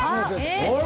あら！